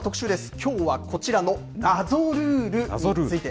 きょうはこちらの謎ルールについて。